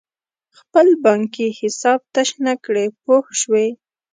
خپل بانکي حساب تش نه کړې پوه شوې!.